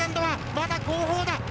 まだ後方！